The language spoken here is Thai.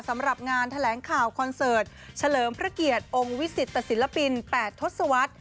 สำหรับงานแถลงข่าวคอนเสิร์ตเฉลิมพระเกียรติองค์วิสิตศิลปิน๘ทศวรรษ